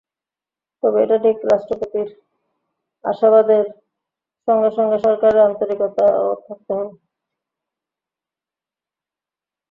তবে এটা ঠিক, রাষ্ট্রপতির আশাবাদের সঙ্গে সঙ্গে সরকারের আন্তরিকতাও থাকতে হবে।